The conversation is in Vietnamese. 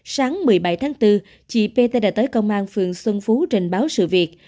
sáng một mươi bảy tháng bốn chị pt đã tới công an phường xuân phú trình báo sự việc